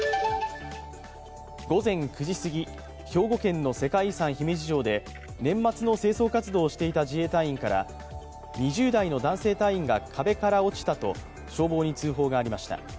午前９時すぎ、兵庫県の世界遺産・姫路城で年末の清掃活動をしていた自衛隊員から２０代の男性隊員が壁から落ちたと消防に通報がありました。